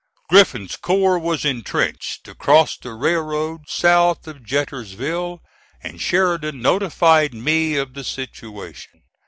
Griffin's corps was intrenched across the railroad south of Jetersville, and Sheridan notified me of the situation.